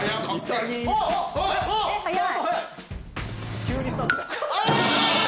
急にスタートした。